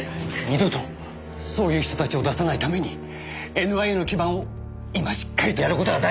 二度とそういう人たちを出さないためにＮＩＡの基盤を今しっかりとやる事が大事なんだ。